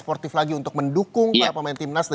sportif lagi untuk mendukung para pemain timnas